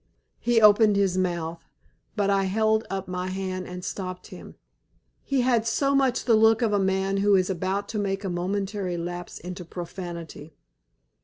He opened his mouth, but I held up my hand and stopped him; he had so much the look of a man who is about to make a momentary lapse into profanity.